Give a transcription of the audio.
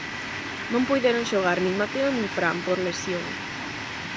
Non puideron xogar nin Mateo nin Fran por lesión.